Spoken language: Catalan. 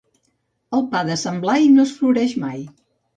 El pa de sant Blai no es floreix mai.